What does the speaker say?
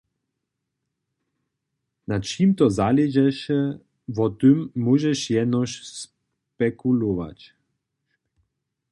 Na čim to zaležeše, wo tym móžeš jenož spekulować.